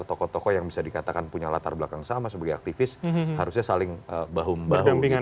tokoh tokoh yang bisa dikatakan punya latar belakang sama sebagai aktivis harusnya saling bahu membahu